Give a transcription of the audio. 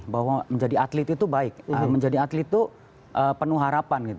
bahwa menjadi atlet itu baik menjadi atlet itu penuh harapan gitu